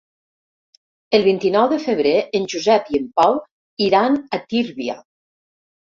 El vint-i-nou de febrer en Josep i en Pau iran a Tírvia.